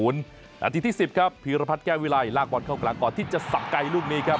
นาทีที่๑๐ครับพีรพัฒน์แก้ววิลัยลากบอลเข้ากลางก่อนที่จะสักไกลลูกนี้ครับ